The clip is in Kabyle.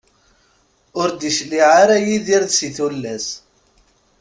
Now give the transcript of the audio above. Ur d-icliε ara Yidir si tullas.